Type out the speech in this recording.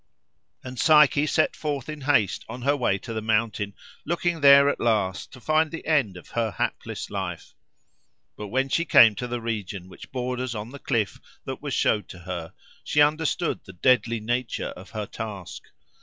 And Psyche set forth in haste on her way to the mountain, looking there at last to find the end of her hapless life. But when she came to the region which borders on the cliff that was showed to her, she understood the deadly nature of her task.